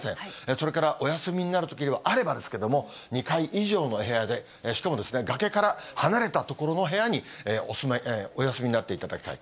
それからお休みになるときには、あればですけれども、２階以上の部屋で、しかも崖から離れた所の部屋にお休みになっていただきたい。